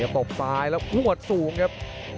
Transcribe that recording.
ตบซ้ายแล้วควดสูงครับ